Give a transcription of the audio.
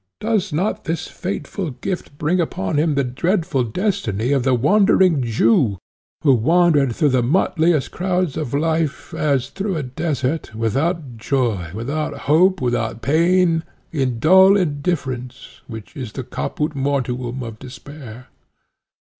Does not this fateful gift bring upon him the dreadful destiny of the Wandering Jew, who wandered through the motliest crowds of life, as through a desert, without joy, without hope, without pain, in dull indifference, which is the caput mortuum of despair?